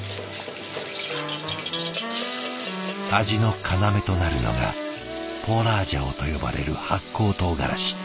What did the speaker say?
味の要となるのがポーラージャオと呼ばれる発酵とうがらし。